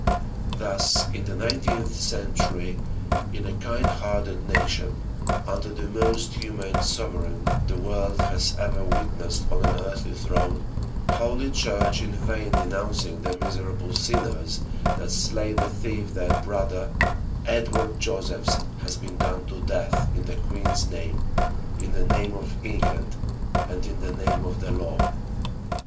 Thus in the nineteenth century in a kind hearted nation under the most humane sovereign the world has ever witnessed on an earthly throne holy Church in vain denouncing the miserable sinners that slay the thief their brother Edward Josephs has been done to death in the queen's name in the name of England and in the name of the law.